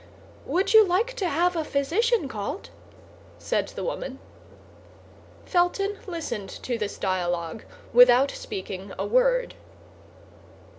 "Would you like to have a physician called?" said the woman. Felton listened to this dialogue without speaking a word.